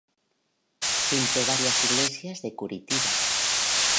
Pintó varias iglesias de Curitiba.